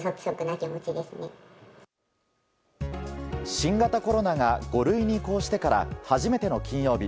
新型コロナが５類に移行してから初めての金曜日。